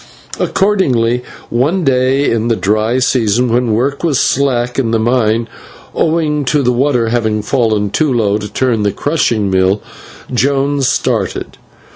Accordingly, one day in the dry season, when work was slack at the mine, owing to the water having fallen too low to turn the crushing mill, Jones started.